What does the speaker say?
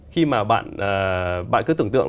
khi mà bạn cứ tưởng tượng